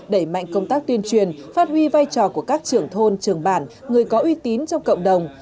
đẩy mạnh công tác tuyên truyền phát huy vai trò của các trưởng thôn trường bản người có uy tín trong cộng đồng